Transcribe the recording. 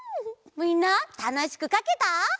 みんなたのしくかけた？